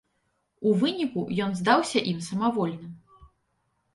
У выніку ён здаўся ім самавольна.